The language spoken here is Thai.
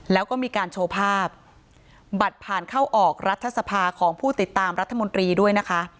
แล้วก็มีการโชว์ภาพบัตรผ่านเข้าออกรัฐสภาของผู้ติดตามรัฐมนตรีด้วยนะคะ